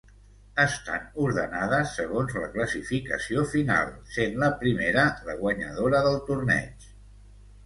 Estan ordenades segons la classificació final, sent la primera la guanyadora del torneig.